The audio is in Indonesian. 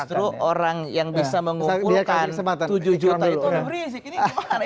justru orang yang bisa mengumpulkan tujuh juta itu rizik ini gimana